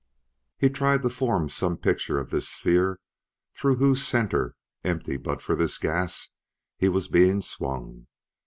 He tried to form some picture of this sphere through whose center, empty but for this gas, he was being swung.